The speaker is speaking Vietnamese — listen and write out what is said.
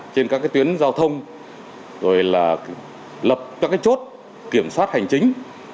trên các tuyến giao thông lập các chốt kiểm soát hành chính